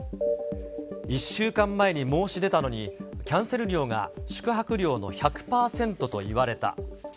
１週間前に申し出たのに、キャンセル料が宿泊料の１００％と言われた。